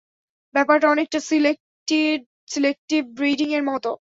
ব্যাপারটা অনেকটা selective breeding এর মতই।